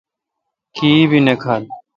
کی بھی نہ کھال۔